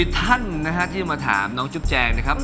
ท่านนะฮะที่จะมาถามน้องจุ๊บแจงนะครับ